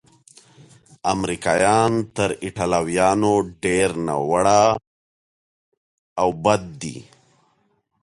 امریکایان تر ایټالویانو ډېر ناوړه او بد دي.